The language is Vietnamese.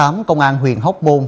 mạng hơi lớn